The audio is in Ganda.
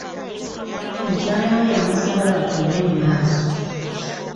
Mukyala we yamusaba batuule mu maaso.